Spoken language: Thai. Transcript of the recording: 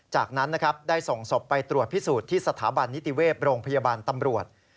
จากนั้นนะครับได้ส่งศพไปตรวจพิสูจน์ที่สถาบันนิติเวศโรงพยาบาลตำรวจ